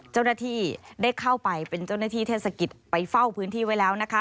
เจ้าหน้าที่ได้เข้าไปเป็นเจ้าหน้าที่เทศกิจไปเฝ้าพื้นที่ไว้แล้วนะคะ